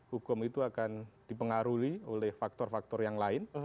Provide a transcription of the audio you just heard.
hukum itu akan dipengaruhi oleh faktor faktor yang lain